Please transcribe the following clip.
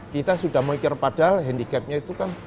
kita sudah memikir padahal handicapnya itu kan